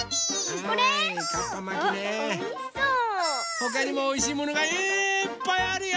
ほかにもおいしいものがいっぱいあるよ！